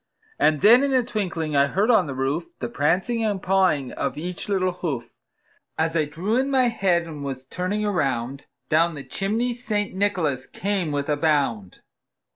And then in a twinkling I heard on the roof, The prancing and pawing of each little hoof. As I drew in my head, and was turning around, Down the chimney St. Nicholas came with a bound.